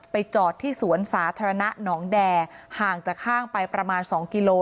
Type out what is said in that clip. จอดที่สวนสาธารณะหนองแด่ห่างจากห้างไปประมาณ๒กิโล